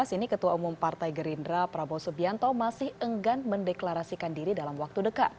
ini ketua umum partai gerindra prabowo subianto masih enggan mendeklarasikan diri dalam waktu dekat